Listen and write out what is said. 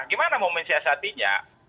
gimana mau menciasatinya